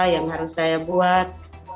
yang harus saya buat